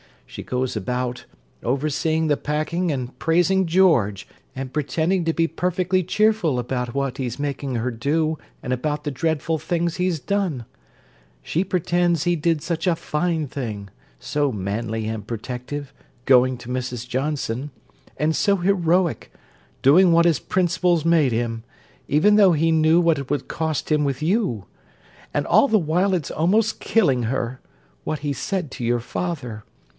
She goes about, overseeing the packing and praising George and pretending to be perfectly cheerful about what he's making her do and about the dreadful things he's done. She pretends he did such a fine thing—so manly and protective—going to Mrs. Johnson. And so heroic—doing what his 'principles' made him—even though he knew what it would cost him with you! And all the while it's almost killing her—what he said to your father!